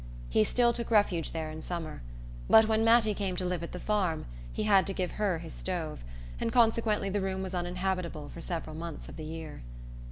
He still took refuge there in summer, but when Mattie came to live at the farm he had to give her his stove, and consequently the room was uninhabitable for several months of the year.